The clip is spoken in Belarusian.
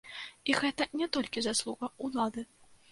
І гэта не толькі заслуга ўлады.